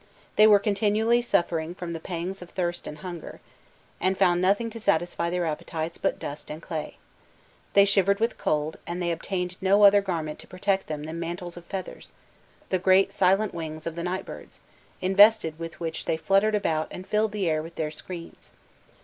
They were continually suffering from the pangs of thirst and hunger, and found nothing to satisfy their appetites but clay and dust. They shivered with cold, and they obtained no other garment to protect them than mantles of feathers the great silent wings of the night birds, invested with which they fluttered about and filled the air with their screams.